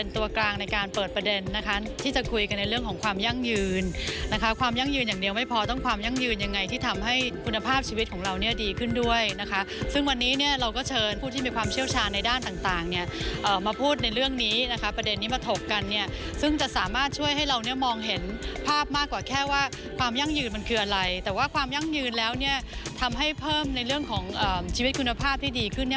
แต่ว่าความยั่งยืนแล้วทำให้เพิ่มในเรื่องของชีวิตคุณภาพที่ดีขึ้น